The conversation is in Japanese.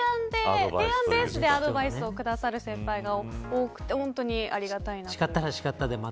提案ベースでアドバイスをくださる先輩が多くて本当にありがたいなと。